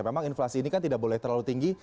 memang inflasi ini kan tidak boleh terlalu tinggi